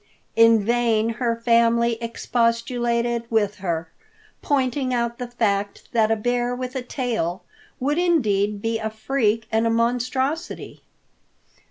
In vain her family expostulated with her, pointing out the fact that a bear with a tail would indeed be a freak and a monstrosity.